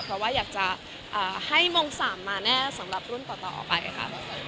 เพราะว่าอยากจะให้มง๓มาแน่สำหรับรุ่นต่อไปค่ะ